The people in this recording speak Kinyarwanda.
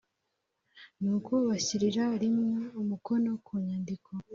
nuko bashyirira rimwe umukono ku nyandiko